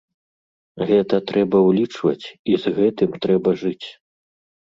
Гэта трэба ўлічваць і з гэтым трэба жыць.